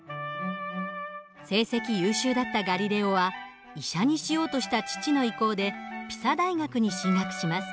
成績優秀だったガリレオは医者にしようとした父の意向でピサ大学に進学します。